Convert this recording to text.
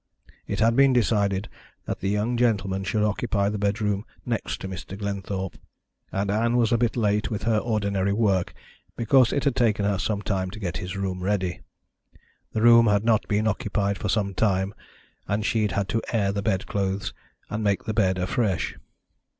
It had been decided that the young gentleman should occupy the bedroom next to Mr. Glenthorpe, and Ann was a bit late with her ordinary work because it had taken her some time to get his room ready. The room had not been occupied for some time, and she'd had to air the bed clothes and make the bed afresh.